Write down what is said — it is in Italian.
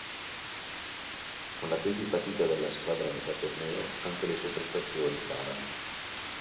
Con la crisi patita dalla squadra a metà torneo, anche le sue prestazioni calano.